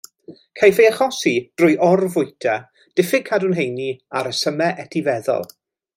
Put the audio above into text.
Caiff ei achosi drwy orfwyta, diffyg cadw'n heini a rhesymau etifeddol.